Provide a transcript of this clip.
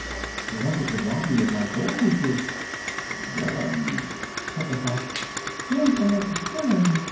"They wanted to rob me of my gold pieces." "Villains!" said the Fox. "Infamous villains!"